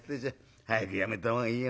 早くやめた方がいいよ